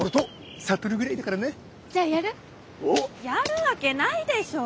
やるわけないでしょ。